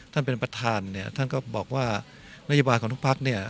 ท่านเป็นประธานเนี้ยท่านก็บอกว่านโยบายของทุกภาคเนี้ย